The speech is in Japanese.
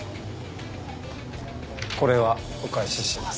これはお返しします。